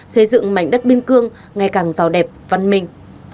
xây dựng mảnh đất biên cương ngày càng giàu đẹp văn minh